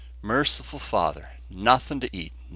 Merciful Father! nothin' to eat!